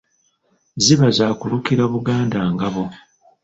Ziba za kulukira Buganda ngabo.